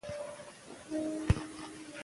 ښار ته د خوراکي توکو رسول اسانه کار و.